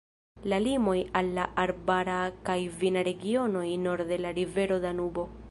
La limon al la arbara kaj vina regionoj norde la rivero Danubo.